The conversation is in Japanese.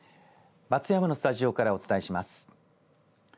松山のスタジオからお伝えします。